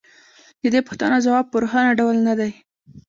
د دې پوښتنو ځواب په روښانه ډول نه دی